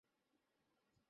তোমার মাথার সমস্যা।